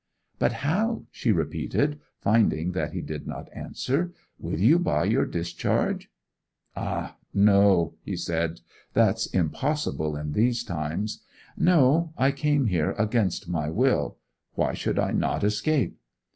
'But how?' she repeated, finding that he did not answer. 'Will you buy your discharge?' 'Ah, no,' he said. 'That's impossible in these times. No; I came here against my will; why should I not escape?